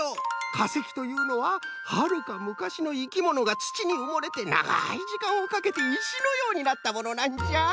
かせきというのははるかむかしのいきものがつちにうもれてながいじかんをかけていしのようになったものなんじゃ。